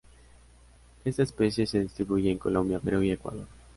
Esta especie se distribuye en Colombia, Perú y Ecuador.